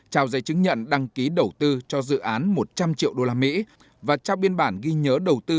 trao giấy chứng nhận đăng ký đầu tư cho dự án một trăm linh triệu usd và trao biên bản ghi nhớ đầu tư